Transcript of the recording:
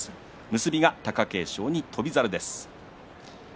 結びが貴景勝に翔猿です。